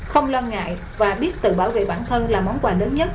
không lo ngại và biết tự bảo vệ bản thân là món quà lớn nhất